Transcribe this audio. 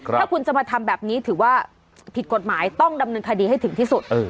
ถ้าคุณจะมาทำแบบนี้ถือว่าผิดกฎหมายต้องดำเนินคดีให้ถึงที่สุด